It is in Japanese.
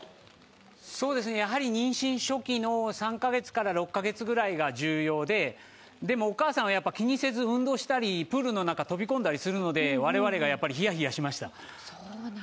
やはり妊娠初期の３か月から６か月くらいが重要で、でもお母さんは気にせず運動したりプールに飛び込んだりするので我々がひやひやしました。